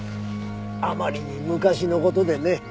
あまりに昔の事でね。